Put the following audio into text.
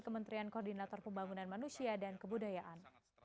kementerian koordinator pembangunan manusia dan kebudayaan